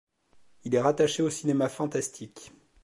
Il est rattaché au cinéma fantastique.